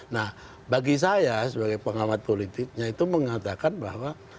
nah bagi saya sebagai pengamat politiknya itu mengatakan bahwa